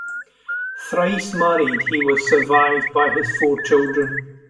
Thrice-married, he was survived by his four children.